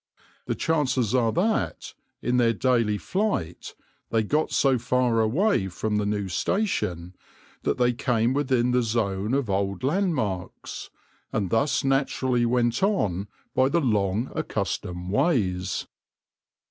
The chances are that, in their daily flight, they got so far away from the new station that they came within the zone of old landmarks, and thus naturally went on by the long accustomed ways.